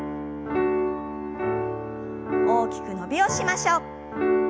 大きく伸びをしましょう。